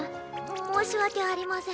申し訳ありません。